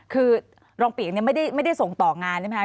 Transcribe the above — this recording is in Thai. คือรองปีกเนี่ยไม่ได้ส่งต่องานใช่ไหมครับ